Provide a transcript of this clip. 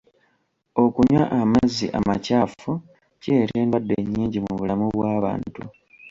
Okunywa amazzi amakyafu kireeta endwadde nnyingi mu bulamu bw'abantu.